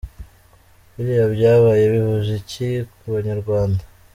Biriya byabaye bivuze iki ku banyarwanda?